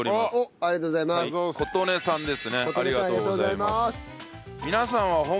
ありがとうございます。